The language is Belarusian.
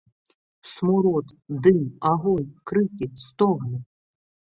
Смурод, дым, агонь, крыкі, стогны.